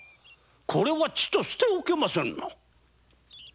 これは捨ておけませぬな。